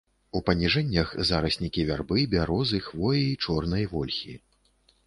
У паніжэннях зараснікі вярбы, бярозы, хвоі, чорнай вольхі.